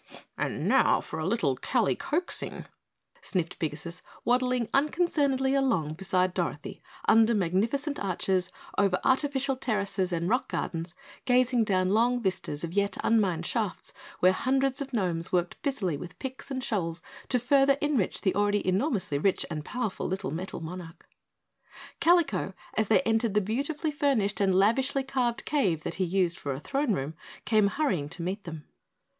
"And now for a little Kalicoaxing," sniffed Pigasus, waddling unconcernedly along beside Dorothy under magnificent arches, over artificial terraces and rock gardens, gazing down long vistas of yet unmined shafts where hundreds of gnomes worked busily with picks and shovels to further enrich the already enormously rich and powerful little Metal Monarch. Kalico, as they entered the beautifully furnished and lavishly carved cave that he used for a throne room, came hurrying to meet them.